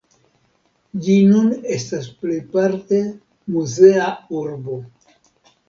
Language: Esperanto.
Ĝi nun estas plejparte muzea urbo.